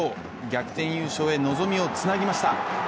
逆転優勝へ望みをつなぎました。